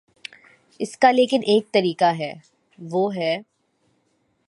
اس کا لیکن ایک طریقہ ہے، وہ ہے۔